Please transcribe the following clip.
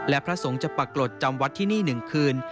และพระสงฆ์จะปรากฏจำวัดที่นี่๑คืน